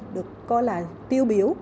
được coi là tiêu biểu